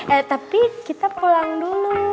eh tapi kita pulang dulu